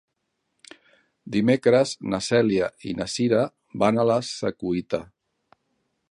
Dimecres na Cèlia i na Cira van a la Secuita.